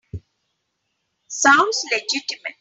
Sounds legitimate.